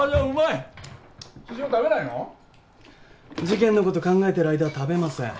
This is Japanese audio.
事件のこと考えてる間は食べません。